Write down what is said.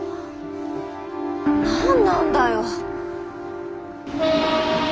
何なんだよ。